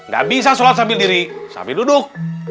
gak bisa sholat sambil diri sambil duduk